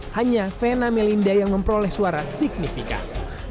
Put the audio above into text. hanya vena melinda yang memperoleh suara signifikan